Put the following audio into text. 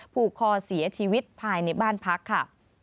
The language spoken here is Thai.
ผูกคอเสียชีวิตภายในบ้านพักค่ะ